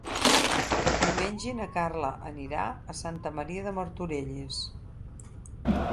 Diumenge na Carla anirà a Santa Maria de Martorelles.